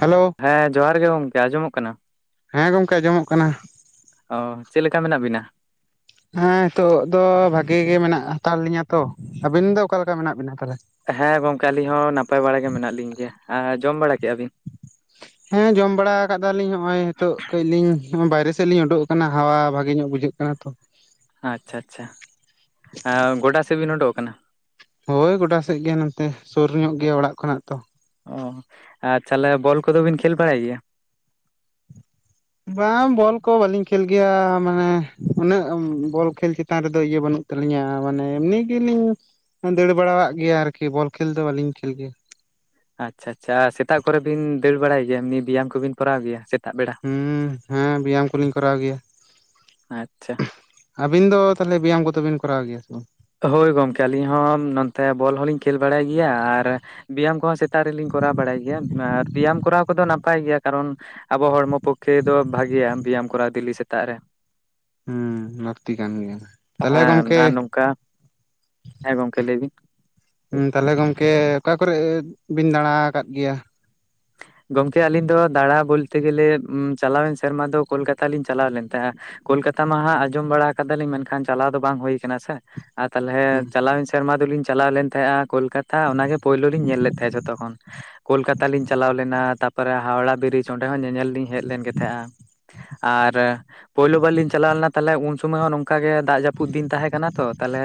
Hello ᱦᱮᱸ ᱡᱚᱦᱟᱨ ᱜᱮ ᱜᱚᱝᱠᱮ ᱟᱸᱡᱚᱢᱚᱜ ᱠᱟᱱᱟ ᱦᱮᱸ ᱜᱚᱝᱠᱮ ᱟᱸᱡᱚᱢᱚᱜ ᱠᱟᱱᱟ ᱚᱻ ᱪᱮᱫ ᱞᱮᱠᱟ ᱢᱮᱱᱟᱜ ᱵᱤᱱᱟ? ᱦᱮᱸ ᱦᱤᱸᱛᱳᱜ ᱫᱚ ᱵᱷᱟᱜᱤ ᱜᱮ ᱢᱮᱱᱟᱜ ᱦᱟᱛᱲ ᱞᱤᱧᱟᱹ ᱛᱚ, ᱟᱵᱤᱱ ᱫᱚ ᱚᱠᱟᱞᱮᱠᱟ ᱢᱮᱱᱟᱜ ᱵᱤᱱᱟ ᱛᱟᱞᱦᱮ? ᱦᱮᱸ ᱜᱚᱝᱠᱮ ᱟᱹᱞᱤᱧ ᱦᱚᱸ ᱱᱟᱯᱟᱭ ᱵᱟᱲᱟ ᱜᱮ ᱢᱮᱱᱟᱜ ᱞᱤᱧ ᱜᱮᱭᱟ, ᱟᱻ ᱡᱚᱢ ᱵᱟᱲᱟ ᱠᱮᱜ-ᱟ ᱵᱤᱱ? [inaudible] ᱦᱮᱸ ᱡᱚᱢ ᱵᱟᱲᱟ ᱟᱠᱟᱫᱟᱞᱤᱧ ᱱᱚᱜ-ᱚᱭ ᱦᱤᱸᱛᱳᱜ ᱠᱟᱹᱡ ᱞᱤᱧ ᱵᱟᱭᱨᱮ ᱥᱮᱫ ᱞᱤᱧ ᱩᱰᱩᱠ ᱟᱠᱟᱱᱟ, ᱦᱟᱣᱟ ᱵᱷᱟᱜᱮ ᱧᱚᱜ ᱵᱩᱡᱷᱟᱹᱜ ᱠᱟᱱᱟ ᱛᱚ᱾ ᱟᱪᱪᱷᱟ ᱟᱪᱪᱷᱟ, ᱟᱻ ᱜᱚᱰᱟ ᱥᱮᱫ ᱵᱤᱱ ᱩᱰᱩᱚᱜ ᱟᱠᱟᱱᱟ? ᱦᱳᱭ ᱜᱚᱰᱟ ᱥᱮᱫ ᱜᱮ ᱱᱚᱛᱮ, ᱥᱩᱨ ᱧᱚᱜ ᱜᱮᱭᱟ ᱚᱲᱟᱜ ᱠᱷᱚᱱᱟᱜ ᱛᱚ᱾ ᱚᱻ ᱟᱨ ᱛᱟᱦᱞᱮ ᱵᱚᱞ ᱠᱚᱫᱚ ᱵᱤᱱ ᱠᱷᱮᱹᱞ ᱵᱟᱲᱟᱭ ᱜᱮᱭᱟ? ᱵᱟᱝ ᱵᱚᱞ ᱠᱚ ᱵᱟᱹᱞᱤᱧ ᱠᱷᱮᱹᱞ ᱜᱮᱭᱟ ᱢᱟᱱᱮ, ᱩᱱᱟᱹᱜ ᱵᱚᱞ ᱠᱷᱮᱹᱞ ᱪᱮᱛᱟᱱ ᱨᱮᱫᱚ ᱤᱭᱟᱹ ᱵᱟᱹᱱᱩᱜ ᱛᱟᱹᱞᱤᱧᱟ ᱢᱟᱱᱮ ᱮᱢᱱᱤ ᱜᱮᱞᱤᱧ ᱫᱟᱹᱲ ᱵᱟᱲᱟᱣᱟᱜ ᱜᱮᱭᱟ ᱟᱨᱠᱤ, ᱵᱚᱞ ᱠᱷᱮᱹᱞ ᱫᱚ ᱵᱟᱹᱞᱤᱧ ᱠᱷᱮᱹᱞ ᱜᱮᱭᱟ᱾ ᱟᱪᱪᱷᱟ ᱟᱪᱪᱷᱟ, ᱥᱮᱛᱟᱜ ᱠᱚᱨᱮ ᱵᱤᱱ ᱫᱟᱹᱲ ᱵᱟᱲᱟᱭ ᱜᱮᱭᱟ ᱵᱮᱭᱟᱢ ᱠᱚᱵᱤᱱ ᱠᱚᱨᱟᱣ ᱜᱮᱭᱟ ᱥᱮ? ᱦᱩᱸ ᱦᱮᱸ, ᱵᱮᱭᱟᱢ ᱠᱚᱞᱤᱧ ᱠᱚᱨᱟᱣ ᱜᱮᱭᱟ᱾ ᱟᱪᱪᱷᱟ ᱟᱵᱤᱱ ᱫᱚ ᱛᱟᱦᱚᱞᱮ ᱵᱮᱭᱟᱢ ᱠᱚᱫᱚᱵᱤᱱ ᱠᱚᱨᱟᱣ ᱜᱮᱭᱟ ᱥᱮ ᱵᱟᱝ? ᱦᱳᱭ ᱜᱚᱢᱠᱮ ᱟᱹᱞᱤᱧ ᱦᱚᱸ ᱱᱚᱱᱛᱮ ᱵᱚᱞ ᱦᱚᱸᱞᱤᱧ ᱠᱷᱮᱹᱞ ᱵᱟᱲᱟᱭ ᱜᱤᱭᱟ, ᱟᱨ ᱵᱮᱭᱟᱢ ᱠᱚᱦᱚᱸ ᱥᱮᱛ ᱛᱟᱜ ᱨᱮᱞᱤᱧ ᱠᱚᱨᱟᱣ ᱵᱟᱲᱟᱭ ᱜᱮᱭᱟ, ᱟᱨ ᱵᱤᱭᱟᱢ ᱠᱚᱨᱟᱣ ᱠᱚᱫᱚ ᱱᱟᱯᱟᱭ ᱜᱮᱭᱟ ᱠᱟᱨᱚᱱ ᱟᱵᱚ ᱦᱚᱲᱢᱚ ᱯᱚᱠᱠᱷᱮ ᱫᱚ ᱵᱷᱟᱜᱤᱭᱟ ᱵᱮᱭᱟᱢ ᱠᱚᱨᱟᱣ ᱫᱮᱞᱤ ᱥᱮᱛᱟᱜ ᱨᱮ᱾ ᱦᱩᱸ, ᱞᱟᱹᱠᱛᱤ ᱠᱟᱱ ᱜᱮᱭᱟ᱾ ᱛᱟᱦᱞᱮ ᱦᱮᱸ ᱜᱚᱝᱠᱮ ᱟᱨ ᱱᱚᱝᱠᱟ ᱦᱮᱸ ᱜᱚᱝᱠᱮ ᱞᱟᱹᱭ ᱵᱤᱱ? ᱦᱩᱸ ᱛᱟᱞᱦᱮ ᱜᱚᱝᱠᱮ ᱚᱠᱟ ᱠᱚᱨᱮᱜ ᱵᱤᱱ ᱫᱟᱬᱟ ᱟᱠᱟᱫ ᱜᱮᱭᱟ? ᱜᱚᱝᱠᱮ ᱟᱞᱤᱧ ᱫᱚ ᱫᱟᱬᱟ ᱵᱳᱞᱛᱮ ᱜᱮᱞᱮ ᱪᱟᱞᱟᱣᱮᱱ ᱥᱮᱨᱢᱟ ᱫᱚ ᱠᱳᱞᱠᱟᱛᱟ ᱞᱤᱧ ᱪᱟᱞᱟᱣ ᱞᱮᱱ ᱛᱟᱦᱮᱸᱜ-ᱟ᱾ ᱠᱳᱞᱠᱟᱛᱟ ᱢᱟ ᱦᱟᱸᱜ ᱟᱸᱡᱚᱢ ᱵᱟᱲᱟ ᱠᱟᱫᱟᱞᱤᱧ, ᱢᱮᱱᱠᱷᱟᱱ ᱪᱟᱞᱟᱣ ᱫᱚ ᱵᱟᱝ ᱦᱩᱭ ᱠᱟᱱᱟ ᱥᱮ᱾ ᱟᱨ ᱛᱟᱞᱦᱮ ᱦᱩᱸ ᱪᱟᱞᱟᱣᱮᱱ ᱥᱮᱨᱢᱟ ᱫᱚᱞᱤᱧ ᱪᱟᱞᱟᱣ ᱞᱮᱱ ᱛᱟᱦᱮᱸᱜ-ᱟ᱾ ᱠᱳᱞᱠᱟᱛᱟ ᱚᱱᱟᱜᱮ ᱯᱳᱭᱞᱳ ᱞᱤᱧ ᱧᱮᱞ ᱞᱮᱫ ᱛᱟᱦᱮᱸ ᱡᱷᱚᱛᱚ ᱠᱷᱚᱱ᱾ ᱠᱳᱞᱠᱟᱛᱟ ᱞᱤᱧ ᱪᱟᱞᱟᱣ ᱞᱮᱱᱟ ᱛᱟᱯᱚᱨᱮ ᱦᱟᱣᱲᱟ ᱵᱤᱨᱤᱡ ᱚᱸᱰᱮ ᱦᱚᱸ ᱧᱮᱧᱮᱞ ᱞᱤᱧ ᱦᱮᱡ ᱞᱮᱱ ᱜᱮ ᱛᱟᱦᱮᱸᱜ-ᱟ᱾ ᱟᱨ ᱯᱳᱭᱞᱳ ᱵᱟᱨ ᱞᱤᱧ ᱪᱟᱞᱟᱣ ᱞᱮᱱᱟ ᱛᱟᱞᱦᱮ ᱩᱱ ᱥᱚᱢᱚᱭ ᱦᱚᱸ ᱱᱚᱝ ᱠᱟ ᱜᱮ ᱫᱟᱜ ᱡᱟᱹᱯᱩᱫ ᱫᱤᱱ ᱛᱟᱦᱮᱸ ᱠᱟᱱᱟ ᱛᱚ, ᱛᱟᱞᱦᱮ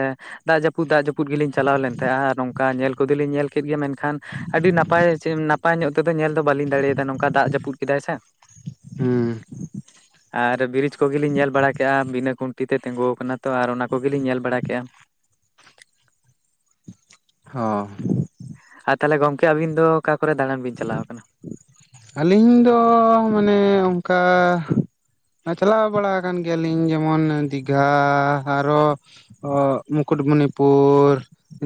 ᱫᱟᱜ ᱡᱟᱹᱯᱩᱫ ᱫᱟᱜ ᱡᱟᱹᱯᱩᱫ ᱯᱩᱫ ᱜᱮᱞᱤᱧ ᱪᱟᱞᱟᱣ ᱞᱮᱱ ᱛᱟᱦᱮᱸᱜᱼᱴ-ᱟ ᱟᱨ ᱱᱚᱝᱠᱟ ᱧᱮᱞ ᱠᱚᱫᱚ ᱞᱤᱧ ᱧᱮᱞ ᱠᱮᱫ ᱜᱮᱭᱟ ᱢᱮᱱᱠᱷᱟᱱ ᱟᱹᱰᱤ ᱱᱟᱯᱟᱭ ᱪᱮ ᱱᱟᱯᱟᱭ ᱧᱚᱜ ᱛᱮᱫᱚ ᱧᱮᱞ ᱫᱚ ᱵᱟᱹᱞᱤᱧ ᱫᱟᱲᱮ ᱭᱟᱫᱟ ᱱᱚᱝᱠᱟ ᱫᱟᱜ ᱡᱟᱹᱯᱩᱫ ᱠᱮᱫᱟᱭ ᱥᱮ᱾ ᱦᱩᱸ [inaudible] ᱟᱨ ᱵᱤᱨᱤᱡᱽ ᱠᱚᱜᱮ ᱞᱤᱧ ᱧᱮᱞ ᱵᱟᱲᱟ ᱠᱮᱜ-ᱟ ᱵᱤᱱᱟᱹ ᱠᱷᱩᱱᱴᱤ ᱛᱮ ᱛᱮᱸᱜᱳᱣ ᱟᱠᱟᱱᱟ ᱛᱚ ᱟᱨ ᱚᱱᱟ ᱠᱚᱜᱮ ᱞᱤᱧ ᱧᱮᱞ ᱵᱟᱲᱟ ᱠᱮᱜ-ᱟ᱾ ᱦᱚᱸ᱾ ᱟᱨ ᱛᱟᱦᱞᱮ ᱜᱚᱝᱠᱮ ᱟᱹᱵᱤᱱ ᱫᱚ ᱚᱠᱟ ᱠᱚᱨᱮ ᱫᱟᱬᱟᱱ ᱵᱤᱱ ᱪᱟᱞᱟᱣ ᱠᱟᱱᱟ? ᱟᱹᱞᱤᱧ ᱫᱚ ᱢᱟᱱᱮ ᱚᱝᱠᱟ ᱦᱮᱸ ᱪᱟᱞᱟᱣ ᱵᱟᱲᱟ ᱟᱠᱟᱱ ᱜᱮᱭᱟ ᱞᱤᱧ ᱡᱮᱢᱚᱱ ᱫᱤᱜᱷᱟ ᱟᱨᱚ ᱚᱻ ᱢᱩᱠᱩᱴᱢᱩᱱᱤᱯᱩᱨ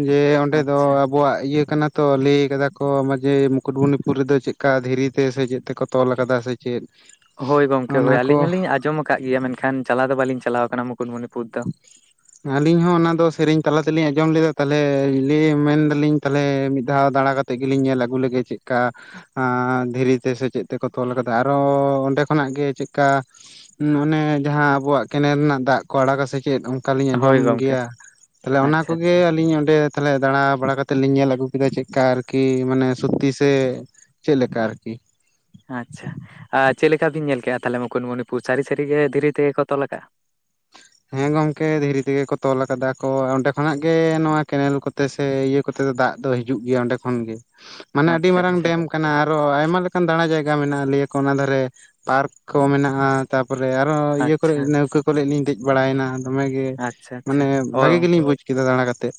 ᱡᱮ ᱚᱸᱰᱮ ᱫᱚ ᱟᱪᱪᱷᱟ ᱟᱵᱚᱣᱟᱜ ᱤᱭᱟᱹ ᱠᱟᱱᱟ ᱛᱚ ᱞᱟᱹᱭ ᱟᱠᱟᱫᱟ ᱠᱚ ᱢᱟ ᱡᱮ ᱢᱩᱠᱩᱴᱢᱩᱱᱤᱯᱩᱨ ᱨᱮᱫᱚ ᱪᱮᱜ ᱠᱟ ᱫᱷᱤᱨᱤ ᱛᱮ ᱥᱮ ᱪᱮᱫ ᱛᱮᱠᱚ ᱛᱚᱞ ᱠᱟᱫᱟ ᱥᱮ ᱪᱮᱫ? ᱦᱳᱭ ᱜᱚᱝᱠᱮ, ᱚᱱᱟ ᱦᱳᱭ ᱠᱚ ᱟᱹᱞᱤᱧ ᱦᱚᱞᱤᱧ ᱟᱸᱡᱚᱢ ᱠᱟᱜ ᱜᱮᱭᱟ ᱢᱮᱱᱠᱷᱟᱱ ᱪᱟᱞᱟ ᱫᱚ ᱵᱟᱞᱤᱧ ᱪᱟᱞᱟᱣ ᱠᱟᱱᱟ ᱢᱩᱠᱩᱴᱢᱩᱱᱤᱯᱩᱨ ᱫᱚ? [inaudible] ᱟᱹᱞᱤᱧ ᱦᱚᱸ ᱚᱱᱟ ᱫᱚ ᱥᱮᱨᱮᱧ ᱛᱟᱞᱟ ᱛᱮ ᱞᱤᱧ ᱟᱸᱡᱚᱢ ᱞᱮᱫᱟ ᱛᱟᱞᱦᱮ ᱞᱟᱹᱭ ᱢᱮᱱᱫᱟᱞᱤᱧ ᱛᱟᱞᱦᱮ ᱢᱤᱫ ᱫᱷᱟᱣ ᱫᱟᱬᱟ ᱠᱟᱛᱮ ᱛᱮ ᱜᱮ ᱞᱤᱧ ᱧᱮᱞ ᱟᱹᱜᱩ ᱞᱮᱜᱮ ᱪᱮᱜᱠᱟ ᱟᱸᱻ ᱫᱷᱤᱨᱤ ᱛᱮ ᱥᱮ ᱪᱮᱫ ᱛᱮᱠᱚ ᱛᱚᱞ ᱟᱠᱟᱫᱟ ᱟᱨᱚ ᱚᱸᱰᱮ ᱠᱷᱚᱱᱟᱜ ᱜᱮ ᱪᱮᱜᱠᱟ ᱢᱩᱸ, ᱚᱱᱮ ᱡᱟᱦᱟᱸ ᱟᱵᱚᱣᱟᱜ ᱠᱮᱱᱮᱞ ᱨᱮᱱᱟᱜ ᱫᱟᱜ ᱠᱚ ᱟᱲᱟᱜᱟᱥ ᱥᱮ ᱪᱮᱫ ᱚᱝᱠᱟᱞᱤᱧ ᱦᱳᱭ ᱟᱸᱡᱚᱢ ᱜᱚᱝᱠᱮ ᱜᱮᱭᱟ ᱛᱷᱟᱞᱮ ᱚᱱᱟ ᱟᱪᱪᱷᱟ ᱟᱪᱪᱷᱟ ᱠᱚᱜᱮ ᱟᱹᱞᱤᱧ ᱚᱸᱰᱮ ᱛᱟᱦᱞᱮ ᱫᱟᱸᱬᱟ‌ ᱵᱟᱲᱟ ᱠᱟᱛᱮ ᱞᱤᱧ ᱧᱮᱞ ᱟᱜᱩ ᱠᱮᱫᱟ ᱪᱮᱜᱠᱟ ᱟᱨᱠᱤ ᱢᱟᱱᱮ ᱥᱩᱛᱛᱤ ᱥᱮ᱾ ᱪᱮᱜ ᱞᱮᱠᱟ ᱟᱨᱠᱤ᱾ ᱟᱪᱪᱷᱟ ᱟ ᱪᱮ ᱞᱮᱠᱟ ᱵᱤᱱ ᱧᱮᱞ ᱠᱮᱜ-ᱟ ᱛᱷᱟᱞᱮ ᱢᱩᱠᱩᱴᱢᱩᱱᱤ ᱯᱩᱨ ᱥᱟᱹᱨᱤ ᱥᱟᱹᱨᱤᱮ ᱫᱷᱤᱨᱤ ᱛᱮᱜᱮ ᱠᱚ ᱛᱚᱞ ᱟᱠᱟᱜ-ᱟ᱾ ᱦᱮᱸ ᱜᱚᱝᱠᱮ ᱫᱷᱤᱨᱤ ᱛᱮᱜᱮ ᱠᱚ ᱛᱚᱞ ᱟᱠᱟᱫᱟ ᱠᱚ ᱚᱸᱰᱮ ᱠᱷᱚᱱᱟᱜ ᱜᱮ ᱱᱚᱣᱟ ᱠᱮᱱᱮᱞ ᱠᱚ᱾ ᱛᱮ ᱥᱮ ᱤᱭᱟᱹ ᱠᱚᱛᱮ ᱫᱚ ᱫᱟᱜ ᱫᱚ ᱦᱤᱡᱩᱜ ᱜᱤᱭᱟ ᱚᱸᱰᱮ ᱠᱷᱚᱱ ᱜᱮ ᱢᱟᱱᱮ ᱟᱹᱰᱤ ᱟᱪᱪᱷᱟ ᱢᱟᱨᱟᱝ ᱟᱪᱪᱷᱟ ᱰᱮᱢ ᱠᱚ ᱠᱟᱱᱟ ᱟᱨᱚ ᱟᱭᱢᱟ ᱞᱮᱠᱟᱱ ᱫᱟᱸᱲᱟ ᱡᱟᱭᱜᱟ ᱢᱮᱱᱟᱜ-ᱟ ᱞᱟᱹᱭ ᱟᱠᱚ ᱚᱱᱟ ᱫᱷᱟᱨᱮ ᱯᱟᱨᱠ ᱠᱚ ᱢᱮᱱᱟᱜ-ᱟ᱾ ᱛᱟᱯᱚᱨᱮ ᱟᱨᱦᱚ ᱤᱭᱟᱹ ᱠᱚᱨᱮᱜ ᱟᱪᱪᱷᱟ ᱱᱟᱹᱣᱠᱟᱹ ᱠᱚᱞᱮᱞ ᱞᱤᱧ ᱫᱮᱡ ᱵᱟᱲᱟᱭ ᱱᱟ᱾ ᱫᱚᱢᱮᱜᱮ ᱟᱪᱪᱷᱟ ᱟᱪᱪᱷᱟ ᱢᱟᱱᱮ ᱵᱷᱟᱜᱤ ᱜᱮᱞᱤᱧ ᱵᱩᱡ ᱠᱮᱫᱟ ᱫᱟᱬᱟ ᱠᱟᱛᱮᱫ᱾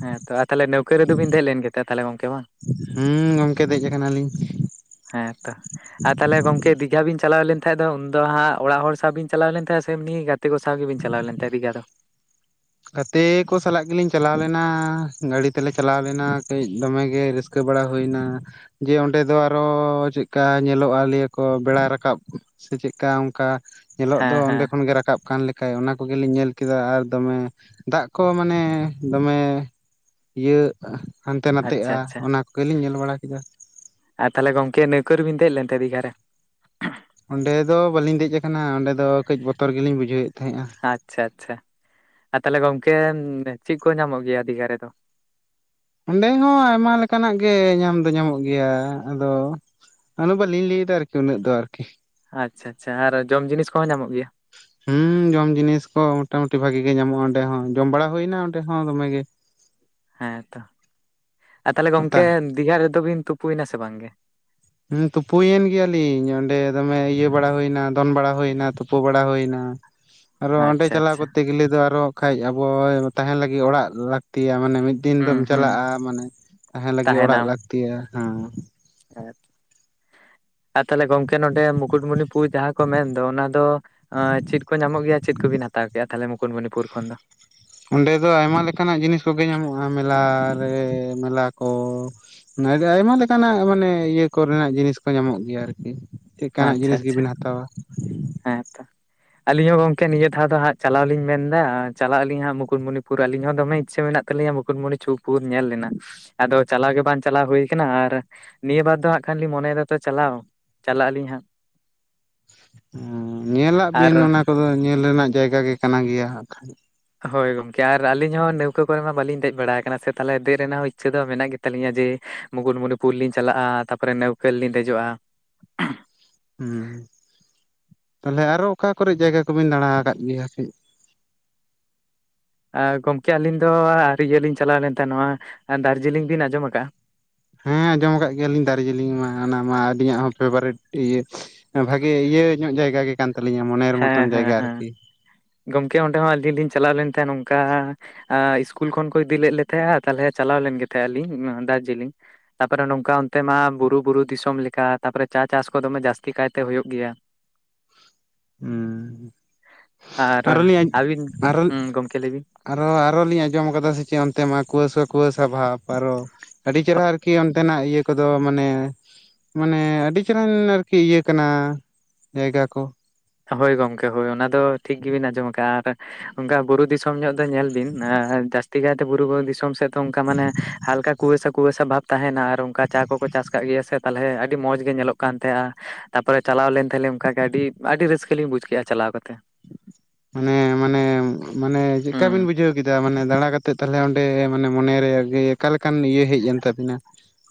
ᱦᱮᱸ ᱛᱚ ᱟᱨ ᱛᱷᱟᱞᱮ ᱱᱟᱹᱣᱠᱟᱹ ᱨᱮᱫᱚᱵᱤᱱ ᱫᱮᱡ ᱞᱮᱱ ᱜᱮ ᱛᱟᱦᱚᱞᱮ ᱜᱚᱝᱠᱮ ᱵᱟᱝ᱾ ᱦᱩᱸ ᱜᱚᱝᱠᱮ ᱫᱮᱡ ᱟᱠᱟᱱᱟ ᱞᱤᱧ᱾ ᱦᱮᱸ ᱛᱚ ᱟᱨ ᱛᱟᱦᱞᱮ ᱜᱚᱝᱠᱮ ᱫᱤᱜᱷᱟ ᱵᱤᱱ ᱪᱟᱞᱟᱣ ᱞᱮᱱ ᱛᱟᱦᱮᱜ ᱫᱚ ᱩᱱᱫᱚ ᱦᱟᱸᱜ ᱚᱲᱟᱜ ᱦᱚᱲ ᱥᱟᱶ ᱵᱤᱱ ᱪᱟᱞᱟᱣ ᱞᱮᱱ ᱛᱟᱦᱮᱸᱫ ᱥᱮ ᱮᱢᱱᱤ ᱜᱟᱛᱮ ᱠᱚ ᱥᱟᱶ ᱜᱮᱵᱤᱱ ᱪᱟᱞᱟᱣ ᱞᱮᱱ ᱛᱟᱦᱮᱸᱫ ᱫᱤᱜᱷᱟ ᱫᱚ ᱜᱟᱛᱮ ᱠᱚ ᱥᱟᱞᱟᱜ ᱜᱮᱞᱤᱧ ᱪᱟᱞᱟᱣ ᱞᱮᱱᱟ ᱜᱟᱲᱤ ᱛᱮᱞᱮ ᱪᱟᱞᱟᱣ ᱞᱮᱱᱟ ᱠᱟᱹᱡ ᱫᱚᱢᱮ ᱜᱮ ᱨᱟᱹᱥᱠ--ᱹ ᱠᱟᱹ ᱵᱟᱲᱟ ᱦᱩᱭᱱᱟ᱾ ᱡᱮ ᱚᱸᱰᱮ ᱫᱚ ᱟᱨᱚ ᱪᱮᱜᱠᱟ ᱧᱮᱞᱚᱜ-ᱟ ᱞᱟᱭᱟᱹ ᱠᱚ ᱵᱮᱲᱟ ᱨᱟᱠᱟᱵ᱾ ᱥᱮ ᱪᱮᱜ ᱠᱟ ᱚᱱᱠᱟ᱾ ᱧᱮᱞᱚᱜ ᱫᱚ ᱦᱮᱸ ᱚᱸᱰᱮ ᱦᱮᱸ ᱠᱷᱚᱱ ᱜᱮ ᱨᱟᱠᱟᱵ ᱠᱟᱱ ᱞᱮᱠᱟᱡ ᱚᱱᱟ ᱠᱚᱜᱮ ᱞᱤᱧ ᱧᱮᱞ ᱠᱮᱫᱟ ᱟᱨ ᱫᱚᱢᱮ ᱫᱟᱜ ᱠᱚ ᱢᱟᱱᱮ ᱫᱚᱢᱮ᱾ ᱤᱭᱟᱹᱜ ᱦᱟᱱᱛᱮ ᱟᱪᱪᱷᱟ ᱱᱟᱛᱮ-ᱟ ᱟᱪᱪᱷᱟ ᱚᱱᱟ ᱠᱚᱜᱮ ᱞᱤᱧ ᱧᱮᱞ ᱵᱟᱲᱟ ᱠᱮᱫᱟ᱾ ᱟᱨ ᱛᱟᱦᱚᱞᱮ ᱜᱚᱢᱠᱮ ᱱᱟᱹᱣᱠᱟᱹ ᱨᱮᱵᱤᱱ ᱫᱮᱡ ᱞᱮᱱ ᱛᱮ ᱫᱤᱜᱷᱟ ᱨᱮ᱾ ᱚᱸᱰᱮ ᱫᱚ ᱵᱟᱹᱞᱤᱧ ᱫᱮᱡ ᱟᱠᱟᱱᱟ ᱚᱸᱰᱮ ᱫᱚ ᱠᱟᱹᱡ ᱵᱚᱛᱚᱨ ᱜᱮᱞᱤᱧ ᱵᱩᱡᱷᱟᱹᱣᱮᱫ ᱛᱟᱦᱮᱸᱜᱼᱟ᱾ ᱟᱪᱪᱷᱟ ᱟᱪᱪᱷᱟ ᱟᱨ ᱛᱟᱦᱚᱞᱮ ᱜᱚᱝᱠᱮ ᱪᱮᱫ ᱠᱚ ᱧᱟᱢᱚᱜ ᱜᱮᱭᱟ ᱫᱤᱜᱷᱟ ᱨᱮᱫᱚ᱾ ᱚᱸᱰᱮ ᱦᱚᱸ ᱟᱭᱢᱟ ᱞᱮᱠᱟᱱᱟᱜ ᱜᱮ ᱧᱟᱢ ᱫᱚ ᱧᱟᱢᱚᱜ ᱜᱮᱭᱟ ᱟᱫᱚ᱾ ᱟᱫ ᱵᱟᱹᱞᱤᱧ ᱞᱟᱹᱭ ᱮᱫᱟ ᱟᱨᱠᱤ ᱩᱱᱟᱹᱜ ᱫᱚ ᱟᱨᱠᱤ᱾ ᱟᱪᱪᱷᱟ ᱟᱪᱪᱷᱟ ᱟᱨ ᱡᱚᱢ ᱡᱤᱱᱤᱥ ᱠᱚᱦᱚᱸ ᱧᱟᱢᱚᱜ ᱜᱮᱭᱟ? ᱦᱩᱸ ᱡᱚᱢ ᱡᱤᱱᱤᱥ ᱠᱚ ᱢᱚᱴᱟ ᱢᱩᱴᱤ ᱵᱷᱟᱜᱤ ᱜᱮ ᱧᱟᱢᱚᱜᱼᱟ ᱚᱸᱰᱮ ᱦᱚᱸ ᱡᱚᱢ ᱵᱟᱲᱟ ᱦᱩᱭᱮᱱᱟ ᱚᱸᱰᱮ ᱦᱚᱸ ᱫᱚᱢᱮ ᱜᱮ᱾ ᱦᱮᱸ ᱛᱚ ᱟᱨ ᱛᱟᱦᱚᱞᱮ ᱚᱴᱟ ᱜᱚᱝᱠᱮ ᱫᱤᱜᱷᱟ ᱨᱮᱫᱚ ᱵᱤᱱ ᱛᱩᱯᱩᱭᱱᱟ ᱥᱮ ᱵᱟᱝ ᱜᱮ᱾ ᱦᱩᱸ ᱛᱩᱯᱩᱭᱮᱱ ᱜᱮᱭᱟᱞᱤᱧ ᱚᱸᱰᱮ ᱫᱚᱢᱮ ᱤᱭᱟᱹ ᱵᱟᱲᱟ ᱦᱩᱭ ᱮᱱᱟ ᱫᱚᱱ ᱵᱟᱲᱟ ᱦᱩᱭ ᱮᱱᱟ ᱛᱩᱯᱩ ᱵᱟᱲᱟ ᱦᱩᱭ ᱮᱱᱟ᱾ [unintelligible] ᱟᱨᱚ ᱚᱸᱰᱮ ᱟᱪᱪᱷᱟ ᱪᱟᱞᱟᱣ ᱟᱪᱪᱷᱟ ᱠᱚᱨᱛᱮ ᱜᱮᱞᱮ ᱫᱚ ᱟᱨᱚ ᱦᱟᱜ ᱠᱷᱟᱡ ᱟᱵᱚ ᱛᱟᱦᱮᱱ ᱞᱟᱹᱜᱤᱫ ᱚᱲᱟᱜ ᱞᱟᱹᱠᱛᱤᱭᱟ ᱢᱟᱱᱮ ᱢᱤᱫ᱾ ᱫᱤᱱ ᱦᱩᱸ ᱫᱚᱢ ᱦᱩᱸ ᱪᱟᱞᱟᱜᱼᱟ ᱢᱟᱱᱮ ᱛᱟᱦᱮᱱ ᱞᱟᱹᱜᱤᱫ ᱚᱲᱟᱜ ᱞᱟᱹᱠᱛᱤᱭᱟ ᱦᱮᱸ᱾ ᱦᱮ ᱟᱨ ᱛᱟᱦᱞᱮ ᱜᱚᱝᱠᱮ ᱱᱚᱰᱮ ᱢᱩᱠᱩᱴᱢᱩᱱᱤᱯᱩᱨᱩ ᱡᱟᱦᱟᱸ ᱠᱚ ᱢᱮᱱ ᱫᱚ ᱚᱱᱟ ᱫᱚ᱾ ᱪᱮᱫ ᱠᱚ ᱧᱟᱢᱚᱜ ᱜᱮᱭᱟ ᱪᱮᱫ ᱠᱚᱵᱤᱱ ᱦᱟᱛᱟᱣ ᱠᱮᱫᱮᱜᱼᱟ ᱛᱟᱦᱞᱮ ᱢᱩᱠᱩᱴᱢᱩᱱᱤᱯᱩᱨ ᱠᱷᱚᱱ ᱫᱚ? ᱚᱸᱰᱮ ᱫᱚ ᱟᱭᱢᱟ ᱞᱮᱠᱟᱱᱟᱜ ᱡᱤᱱᱤᱥ ᱠᱚᱜᱮ ᱧᱟᱢᱚᱜᱼᱟ ᱢᱮᱞᱟ ᱨᱮ ᱢᱮᱞᱟ ᱠᱚ᱾ [inaudible] ᱟᱭᱢᱟ ᱞᱮᱠᱟᱱᱟᱜ ᱢᱟᱱᱮ ᱤᱭᱟᱹ ᱠᱚᱨᱮᱱᱟᱜ ᱡᱤᱱᱤᱥ ᱠᱚ ᱧᱟᱢᱚᱜ ᱜᱮᱭᱟ ᱟᱨᱠᱤ᱾ ᱪᱮᱫᱠᱟ ᱱᱟᱜ ᱟᱪᱪᱷᱟ ᱡᱤᱱᱤᱥ ᱟᱪᱪᱷᱟ ᱜᱮᱵᱤᱱ ᱦᱟᱛᱟᱣᱟ᱾ ᱦᱮᱸ ᱛᱚ ᱟᱹᱞᱤᱧ ᱦᱚᱸ ᱜᱚᱢᱠᱮ ᱱᱤᱭᱟᱹ ᱫᱷᱟᱶ ᱫᱚ ᱦᱟᱸᱜ ᱪᱟᱞᱟᱣ ᱞᱤᱧ ᱢᱮᱱ ᱮᱫᱟ ᱪᱟᱞᱟᱜ ᱟᱹᱞᱤ ᱦᱟᱸᱜ ᱢᱩᱠᱩᱠᱢᱩᱱᱤᱯᱩᱨ ᱟᱹᱞᱤᱧ ᱦᱚᱸ ᱫᱚᱢᱮ ᱤᱪᱪᱷᱟᱹ ᱢᱮᱱᱟᱜ᱾ ᱛᱟᱞᱤᱧᱟ ᱢᱩᱠᱩᱴᱢᱩᱱᱤ ᱪᱳᱠ ᱯᱩᱨ ᱧᱮᱞ ᱨᱮᱱᱟᱜ ᱟᱫᱚ ᱪᱟᱞᱟᱣ ᱜᱮ ᱵᱟᱝ ᱪᱟᱞᱟᱣ ᱦᱩᱭ ᱟᱠᱟᱱᱟ ᱟᱨ᱾ ᱱᱤᱭᱟᱹ ᱵᱟᱨ ᱫᱚ ᱦᱟᱸᱜ ᱠᱷᱟᱱ ᱞᱤᱧ ᱢᱚᱱᱮᱭᱮᱫᱟ ᱛᱚ ᱪᱟᱞᱟᱣ ᱪᱟᱞᱟᱜ ᱟᱹᱞᱤᱧ ᱦᱟᱸᱜ᱾ ᱩᱸ ᱧᱮᱞ ᱟᱜ ᱟᱨ ᱵᱤᱱ ᱚᱱᱟ ᱠᱚᱫᱚ ᱧᱮᱞ ᱨᱮᱱᱟᱜ ᱡᱟᱭᱜᱟ ᱜᱮ ᱠᱟᱱᱟ ᱜᱮᱭᱟ ᱦᱟᱜ ᱠᱷᱟᱱ᱾ ᱦᱳᱭ ᱜᱚᱝᱠᱮ ᱟᱨ ᱟᱹᱞᱤᱧ ᱦᱚᱸ ᱱᱟᱹᱣᱠᱟᱹ ᱠᱚᱨᱮ ᱢᱟ ᱵᱟᱞᱤᱧ ᱫᱮᱡ ᱵᱟᱲᱟ ᱟᱠᱟᱱᱟ ᱥᱮ ᱛᱟᱦᱚᱞᱮ ᱫᱮᱡ ᱨᱮᱱᱟᱜ ᱦᱚᱸ ᱤᱪᱪᱷᱟᱹ ᱫᱚ ᱢᱮᱱᱟᱜ ᱜᱮ᱾ ᱛᱟᱹᱞᱤᱧᱟ ᱡᱮ ᱢᱩᱠᱩᱴᱢᱩᱱᱤᱯᱩᱨ ᱞᱤᱧ ᱪᱟᱞᱟᱜᱼᱟ ᱛᱟᱯᱚᱨᱮ ᱱᱟᱹᱣᱠᱟᱹ ᱨᱮ ᱞᱤᱧ ᱫᱮᱡᱚᱜᱼᱟ᱾ [unintelligible] ᱦᱩᱸ ᱛᱟᱦᱞᱮ ᱟᱨᱚ ᱚᱠᱟ ᱠᱚᱨᱮ ᱡᱟᱭᱜᱟ ᱠᱚᱵᱤᱱ ᱫᱟᱬᱟ ᱟᱠᱟᱫ ᱜᱮᱭᱟ ᱠᱟᱹᱡ᱾ ᱟᱨ ᱜᱚᱢᱠᱮ ᱟᱹᱞᱤᱧ ᱫᱚ ᱟᱨ ᱤᱭᱟᱹ ᱞᱤᱧ ᱪᱟᱞᱟᱣ ᱞᱮᱱ ᱛᱟᱦᱮᱸ ᱱᱚᱣᱟ ᱫᱟᱨᱡᱤᱞᱤᱝ ᱵᱤᱱ ᱟᱸᱡᱚᱢ ᱟᱠᱟᱫ-ᱟ? ᱦᱮᱸ ᱟᱸᱡᱚᱢ ᱟᱠᱟᱫ ᱜᱮᱭᱟᱞᱤᱧ ᱫᱟᱨᱡᱤᱞᱤᱝ ᱢᱟ ᱚᱱᱟ ᱢᱟ ᱟᱹᱞᱤᱧᱟᱜ ᱦᱚᱸ ᱯᱷᱮᱵᱟᱨᱮᱴ ᱤᱭᱟᱹ ᱵᱷᱟᱜᱮ ᱤᱭᱟᱹ ᱧᱚᱜ ᱡᱟᱭᱜᱟ ᱜᱮ ᱠᱟᱱ ᱛᱟᱹᱞᱤᱧᱟ ᱢᱚᱱᱮᱨ ᱦᱮᱸ ᱢᱚᱛᱚᱱ ᱦᱮᱸ ᱡᱟᱭᱜᱟ ᱦᱮᱸ ᱟᱨᱠᱤ᱾ ᱜᱚᱢᱠᱮ ᱚᱸᱰᱮ ᱦᱚᱸ ᱟᱹᱞᱤᱧ ᱞᱤᱧ ᱪᱟᱞᱟᱣ ᱞᱮᱱ ᱛᱟᱦᱮᱸᱱ ᱱᱚᱝᱠᱟ ᱟ ᱥᱠᱩᱞ ᱠᱷᱚᱱ ᱠᱚ ᱤᱫᱤ ᱞᱮᱫ ᱞᱮ ᱛᱟᱦᱮᱸ-ᱟ, ᱛᱟᱞᱦᱮ ᱪᱟᱞᱟᱣ ᱞᱮᱱ ᱜᱮ ᱛᱟᱦᱮᱸᱫ-ᱟ ᱞᱤᱧ ᱚᱱᱟ ᱫᱟᱨᱡᱤᱞᱤᱝ᱾ ᱛᱟᱯᱚᱨᱮ ᱱᱚᱝᱠᱟ ᱚᱱᱛᱮ ᱢᱟ ᱵᱩᱨᱩ ᱵᱩᱨᱩ ᱫᱤᱥᱚᱢ ᱞᱮᱠᱟ ᱛᱟᱯᱚᱨᱮ ᱪᱟ ᱪᱟᱥ ᱠᱚ ᱫᱚᱢᱮ ᱡᱟᱹᱥᱛᱤ ᱠᱟᱭ ᱛᱮ ᱦᱚᱭᱩᱜ ᱜᱮᱭᱟ᱾ ᱦᱩᱸ᱾ ᱟᱨ ᱟᱨᱚ ᱞᱤᱧ ᱟᱹᱵᱤᱱ᱾ ᱟᱨᱚ ᱦᱩᱸ ᱜᱚᱢᱠᱮ ᱞᱟᱹᱭ ᱵᱤᱱ᱾ ᱟᱨᱚ ᱟᱨᱚ ᱞᱤᱧ ᱟᱸᱡᱚᱢ ᱟᱠᱟᱫᱟ ᱥᱮ ᱪᱮᱫ ᱚᱱᱛᱮ ᱢᱟ ᱠᱩᱣᱟᱹᱥᱟ ᱠᱩᱣᱟᱹᱥᱟ ᱵᱷᱟᱵ ᱟᱨᱚ ᱟᱹᱰᱤ ᱪᱮᱨᱦᱟ ᱟᱨᱠᱤ ᱚᱱᱛᱮᱱᱟᱜ ᱤᱭᱟᱹ ᱠᱚᱫᱚ ᱢᱟᱱᱮ ᱢᱟᱱᱮ ᱟᱹᱰᱤ ᱪᱮᱨᱦᱟᱱ ᱟᱨᱠᱤ ᱤᱭᱟᱹ ᱠᱟᱱᱟ ᱡᱟᱭᱜᱟ ᱠᱚ᱾ ᱦᱳᱭ ᱜᱚᱝᱠᱮ ᱦᱳᱭ ᱚᱱᱟ ᱫᱚ ᱴᱷᱤᱠ ᱜᱮᱵᱤᱱ ᱟᱸᱡᱚᱢ ᱟᱠᱟᱜ-ᱟ ᱟᱨ ᱚᱱᱠᱟ ᱵᱩᱨᱩ ᱫᱤᱥᱚᱢ ᱧᱚᱜ ᱫᱚ ᱧᱮᱞ ᱵᱤᱱ ᱟᱨ ᱡᱟᱹᱥᱛᱤ ᱠᱟᱭᱛᱮ ᱵᱩᱨᱩ ᱵᱩᱨᱩ ᱫᱤᱥᱚᱢ ᱥᱮᱫ ᱛᱚ ᱚᱱᱠᱟ ᱢᱟᱱᱮ ᱦᱟᱞᱠᱟ ᱠᱩᱣᱟᱹᱥᱟ ᱠᱩᱣᱟᱹᱥᱟ ᱵᱷᱟᱵ ᱛᱟᱦᱮᱱᱟ ᱟᱨ ᱚᱱᱠᱟ ᱪᱟ ᱠᱚᱠᱚ ᱪᱟᱥ ᱠᱟᱜ ᱜᱮᱭᱟ ᱥᱮ ᱛᱟᱞᱦᱮ ᱟᱹᱰᱤ ᱢᱚᱸᱡᱽ ᱜᱮ ᱧᱮᱞᱚᱜ ᱠᱟᱱ ᱛᱟᱦᱮᱸ-ᱟ᱾ ᱛᱟᱯᱚᱨᱮ ᱪᱟᱞᱟᱣ ᱞᱮᱱ ᱛᱟᱦᱮᱫ ᱞᱤᱧ ᱚᱱᱠᱟ ᱜᱮ ᱟᱹᱰᱤ ᱟᱹᱰᱤ ᱨᱟᱹᱥᱠᱟᱹ ᱞᱤᱧ ᱵᱩᱡᱽ ᱠᱮᱫ-ᱟ ᱪᱟᱞᱟᱣ ᱠᱟᱛᱮ᱾ ᱢᱟᱱᱮ ᱢᱟᱱᱮ ᱢᱟᱱᱮ ᱪᱮᱫᱠᱟ ᱵᱤᱱ ᱦᱩᱸ ᱵᱩᱡᱷᱟᱹᱣ ᱠᱮᱫᱟ ᱢᱟᱱᱮ ᱫᱟᱬᱟᱸ ᱠᱟᱛᱮᱫ ᱛᱟᱞᱦᱮ ᱚᱸᱱ ᱰᱮ ᱢᱟᱱᱮ ᱢᱚᱱᱮ ᱨᱮ ᱟᱨᱠᱤ ᱚᱠᱟ ᱞᱮᱠᱟᱱ ᱤᱭᱟᱹ ᱦᱮᱡ ᱮᱱ ᱛᱟᱵᱤᱱᱟ?